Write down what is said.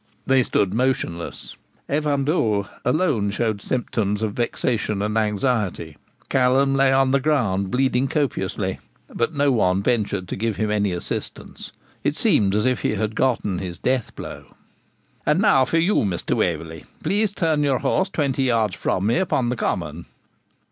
They stood motionless; Evan Dhu alone showed symptoms of vexation and anxiety. Callum lay on the ground bleeding copiously, but no one ventured to give him any assistance. It seemed as if he had gotten his death blow. 'And now for you, Mr. Waverley; please to turn your horse twenty yards with me upon the common.'